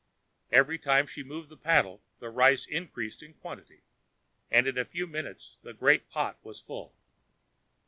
Every time she moved the paddle the rice increased in quantity, and in a few minutes the great pot was full.